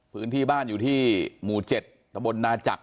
พื้นที่บ้านอยู่ที่หมู่๗ตะบนนาจักร